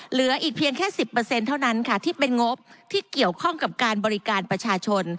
เหลืออีกเพียงแค่๑๐เท่านั้นค่ะที่เป็นงบที่เกี่ยวข้องกับการบริการประชาชน